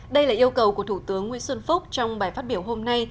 đây là yêu cầu của thủ tướng nguyễn xuân phúc trong bài phát biểu hôm nay